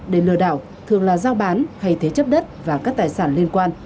để lừa đảo thường là giao bán hay thế chấp đất và các tài sản liên quan